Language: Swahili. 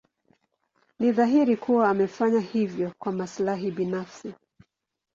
Ni dhahiri kuwa amefanya hivyo kwa maslahi binafsi.